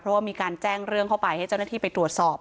เพราะว่ามีการแจ้งเรื่องเข้าไปให้เจ้าหน้าที่ไปตรวจสอบ